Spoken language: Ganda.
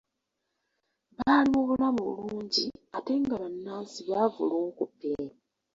Baali mu bulamu obulungi ate nga bannansi baavu lunkupe.